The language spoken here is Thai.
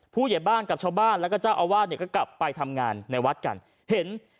ผู้เหยียบบ้านกับชาวบ้านและกระเจ้าอาวาสเนี่ยกลับไปทำงานในวัดกัน